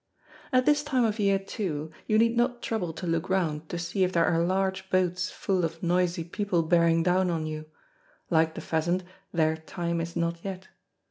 At this time of year, too, you need not trouble to look round, to see if there are large boats full of noisy people bearing down on you; like the pheasant, their time is not yet.